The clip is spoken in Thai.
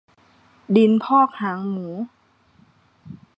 ดินพอกหางหมู